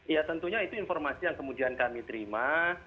ya tentunya itu informasi yang kemudian kami terima